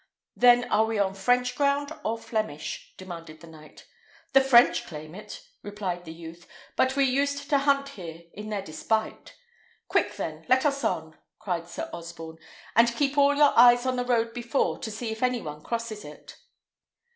"Then, are we on French ground or Flemish?" demanded the knight. "The French claim it," replied the youth; "but we used to hunt here in their despite." "Quick, then! let us on!" cried Sir Osborne; "and keep all your eyes on the road before, to see if any one crosses it."